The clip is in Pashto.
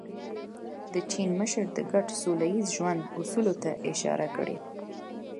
د چین مشر د ګډ سوله ییز ژوند اصولو ته اشاره کړې.